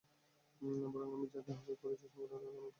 বরং আমি যাঁদের আহ্বায়ক করেছি সংগঠনে তাঁদের অনেক বেশি অবদান রয়েছে।